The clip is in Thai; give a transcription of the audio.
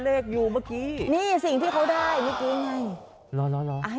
เออต้องใส่ซองก่อน